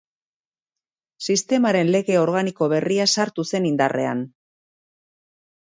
Sistemaren Lege Organiko berria sartu zen indarrean.